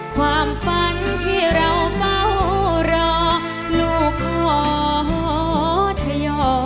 ความฝันที่เราเฝ้ารอลูกขอทยอ